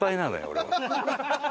俺。